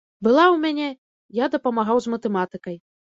Была ў мяне, я дапамагаў з матэматыкай.